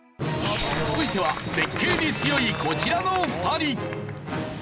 続いては絶景に強いこちらの２人！